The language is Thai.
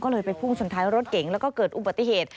ก็เลยไปพุ่งชนท้ายรถเก๋งแล้วก็เกิดอุบัติเหตุ